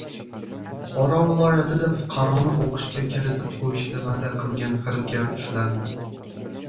Buxoro viloyatida fuqaroni o‘qishga kiritib qo‘yishni va’da qilgan firibgar ushlandi